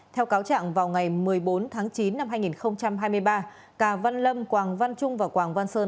theo cáo trạng vào ngày một mươi bốn tháng chín năm hai nghìn hai mươi ba cà văn lâm quảng văn trung và quảng văn sơn